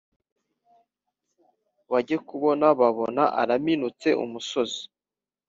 bajye kubona babona araminutse umusozi.